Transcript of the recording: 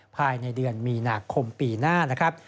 ภายในเดือนมีนาคมปีหน้า